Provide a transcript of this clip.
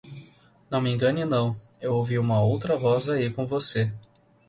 Não me engane não, eu ouvi uma outra voz aí com você.